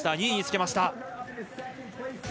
２位につけました。